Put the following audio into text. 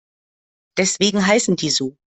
Deswegen heißen die so.